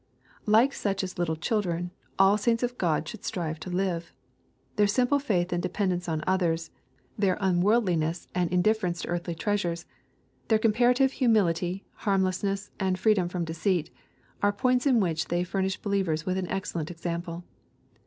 Like such as little children," all saints of God should strive to live. Their simple faith and dependence on others, — their unworldliness and indiflerenco to earthly 268 EXPOSITORY THOUGHTS. treasures, — their comparative humility, harmlessnesH; and freedom from deceit, — are points in which they fur nish believers with an excellent example.